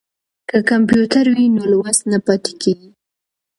که کمپیوټر وي نو لوست نه پاتې کیږي.